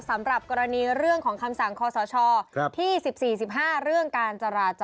สำหรับกรณีเรื่องของคำสั่งคอสชที่๑๔๑๕เรื่องการจราจร